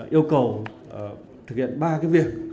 yêu cầu thực hiện ba cái việc